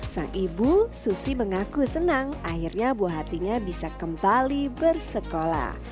sang ibu susi mengaku senang akhirnya buah hatinya bisa kembali bersekolah